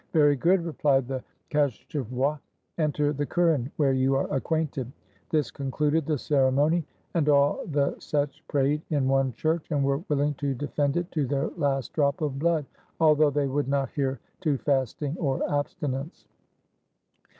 "Very good," replied the koschevoi; "enter the kuren, where you are acquainted." This concluded the ceremony. And all the Setch prayed 63 RUSSIA in one church, and were willing to defend it to their last drop of blood, although they would not hear to fasting or abstinence.